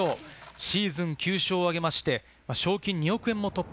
シーズン９勝をあげて賞金２億円も突破。